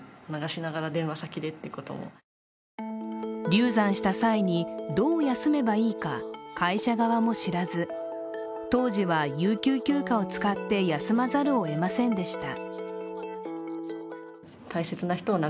流産した際にどう休めばいいか会社側も知らず、当時は有給休暇を使って休まざるをえませんでした。